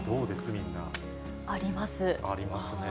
みんな。ありますね。